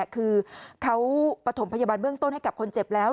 คือเขาปฐมพยาบาลเบื้องต้นให้กับคนเจ็บแล้ว